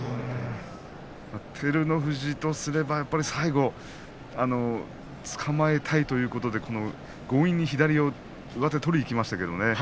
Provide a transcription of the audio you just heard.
照ノ富士とすれば、やはり最後つかまえたいということで強引に左上手を取りにいきましたよね。